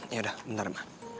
yaudah bentar ma